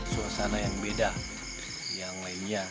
suasana yang beda yang lainnya